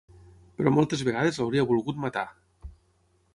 Però moltes vegades l'hauria volgut matar!